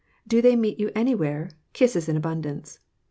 Do they meet you anywhere?—kisses in abundance.